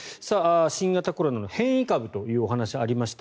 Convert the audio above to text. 新型コロナの変異株というお話ありました。